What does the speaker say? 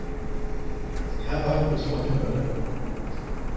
Herwarth was born in Berlin.